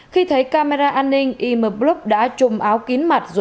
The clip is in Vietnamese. khi thấy camera an ninh ym blub đã trùm áo kín mặt